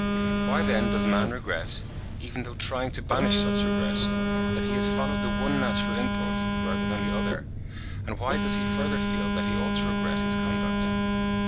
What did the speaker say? Why then does man regret, even though trying to banish such regret, that he has followed the one natural impulse rather than the other; and why does he further feel that he ought to regret his conduct?